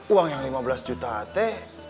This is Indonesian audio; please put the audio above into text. uang yang lima belas juta at